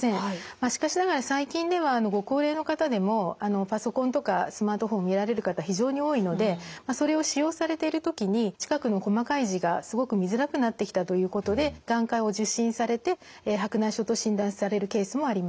まあしかしながら最近ではご高齢の方でもパソコンとかスマートフォン見られる方非常に多いのでそれを使用されてる時に近くの細かい字がすごく見づらくなってきたということで眼科を受診されて白内障と診断されるケースもあります。